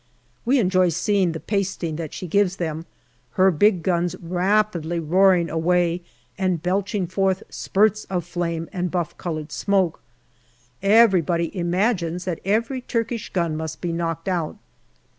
We enjoy seeing the pasting that she gives them, her big guns rapidly roaring away and belching forth spurts of flame and buff coloured smoke. Everybody imagines that every Turkish gun must be knocked out.